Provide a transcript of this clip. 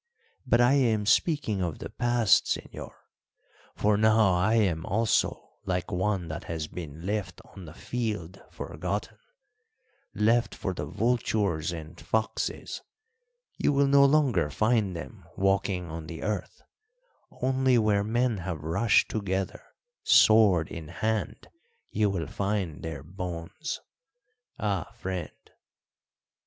But I am speaking of the past, señor; for now I am also like one that has been left on the field forgotten left for the vultures and foxes. You will no longer find them walking on the earth; only where men have rushed together sword in hand you will find their bones. Ah, friend!"